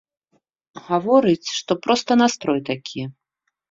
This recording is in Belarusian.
Гаворыць, што проста настрой такі.